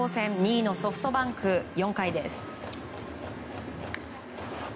２位のソフトバンク４回です。